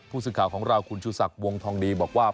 ผู้สึกข่าวของเราคุณชูสักวงทองนีบอกว่า